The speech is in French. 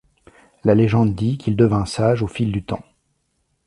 La légende dit qu'il devint sage au fil du temps.